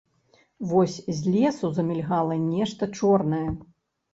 Вось з лесу замільгала нешта чорнае.